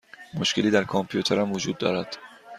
مشکلی در کامپیوترم وجود دارد.